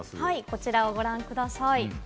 こちらをご覧ください。